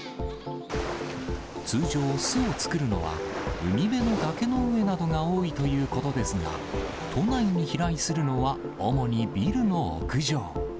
通常、巣を作るのは海辺の崖の上などが多いということですが、都内に飛来するのは主にビルの屋上。